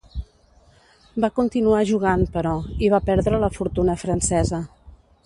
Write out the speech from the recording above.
Va continuar jugant, però, i va perdre la fortuna francesa.